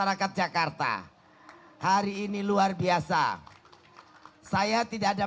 wah mungkin di ngobrol dulu